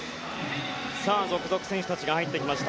続々選手たちが入ってきました。